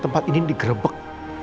tempat ini digrebek